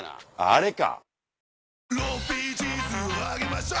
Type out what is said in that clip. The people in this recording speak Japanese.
あれか！